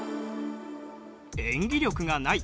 演技力がない。